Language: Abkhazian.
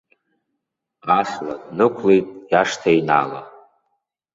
Ашла днықәлеит иашҭа еинаала.